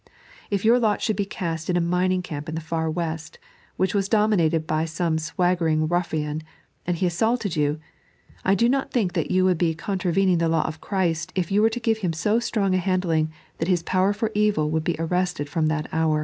If your lot should be cast in a mining camp in the Far West, which was domi nated by some swaggering ruffian, and he assaulted you, I do not think that you would be contravening the law of Christ if you were to give him so strong a handliag that his power for evil would be arrested from that hoiu'.